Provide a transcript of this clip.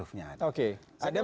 ya konteks sekarang berarti ini